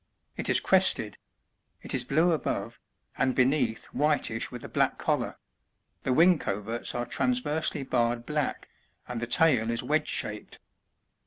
It is crested ; it is blue above, and beneath whitish with a black collar ; the wing coverts are transversely barred black, and the tail is wedge shaped.